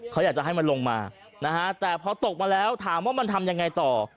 เขาอยากจะให้มันลงมานะฮะแต่พอตกมาแล้วถามว่ามันทำยังไงต่อ